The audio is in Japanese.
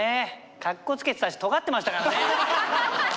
かっこつけてたしとがってましたからね。